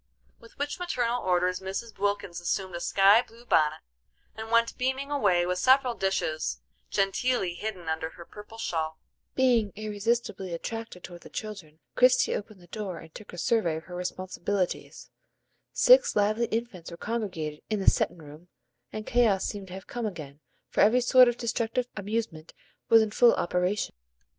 With which maternal orders Mrs. Wilkins assumed a sky blue bonnet, and went beaming away with several dishes genteelly hidden under her purple shawl. Being irresistibly attracted toward the children Christie opened the door and took a survey of her responsibilities. Six lively infants were congregated in the "settin' room," and chaos seemed to have come again, for every sort of destructive amusement was in full operation.